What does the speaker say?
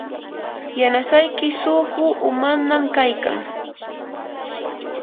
yanasayki suqu umanam kaykan.